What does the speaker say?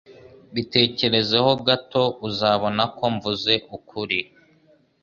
Bitekerezeho gato. Uzabona ko mvuze ukuri.